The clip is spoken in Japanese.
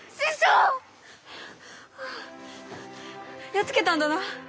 やっつけたんだな？